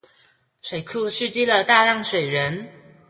水庫蓄積了大量水源